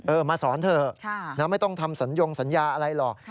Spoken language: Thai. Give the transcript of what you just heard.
มาสอนเถอะไม่ต้องทำสัญญงสัญญาอะไรหรอก